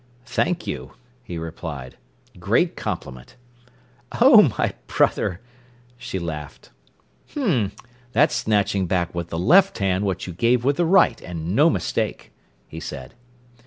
"Thank you," he replied. "Great compliment!" "Oh, my brother!" she laughed. "H'm! that's snatching back with the left hand what you gave with the right, and no mistake," he said.